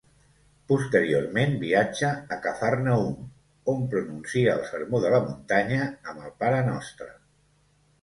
Posteriorment viatja a Cafarnaüm, on pronuncia el Sermó de la muntanya amb el parenostre.